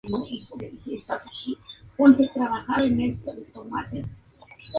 Es la quinta isla más grande en torno a Islandia.